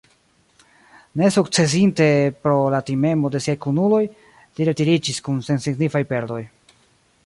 Nesukcesinte pro la timemo de siaj kunuloj, li retiriĝis kun sensignifaj perdoj.